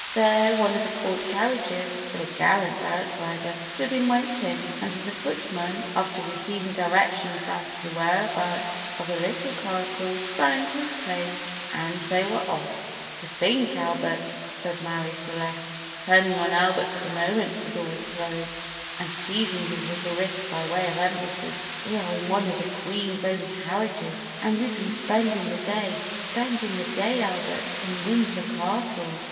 There one of the court carriages, with a gallant outrider, stood in waiting, and the footman, after receiving directions as to the whereabouts of the Little Castle, sprang to his place, and they were off. [Illustration: 0156] "To think, Albert," said Marie Celeste, turning on Albert the moment the door was closed, and seizing his little wrist by way of emphasis, "we are in one of the Queen's own carriages, and we've been spending the day spending the day, Albert, in Windsor Castle."